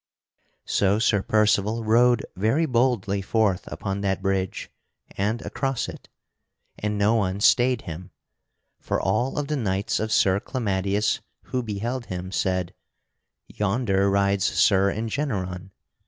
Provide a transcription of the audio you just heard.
So Sir Percival rode very boldly forth upon that bridge and across it, and no one stayed him, for all of the knights of Sir Clamadius who beheld him said: "Yonder rides Sir Engeneron."